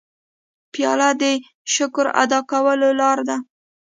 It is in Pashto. پیاله د شکر ادا کولو لاره ده.